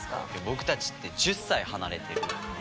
僕たちって１０歳離れてる。